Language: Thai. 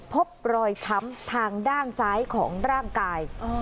พบรอยช้ำทางด้านซ้ายของร่างกาย